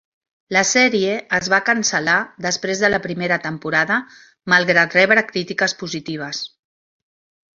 La sèrie es va cancel·lar després de la primera temporada malgrat rebre crítiques positives.